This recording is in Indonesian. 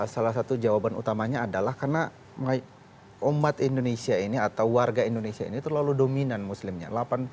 salah satu jawaban utamanya adalah karena umat indonesia ini atau warga indonesia ini terlalu dominan muslimnya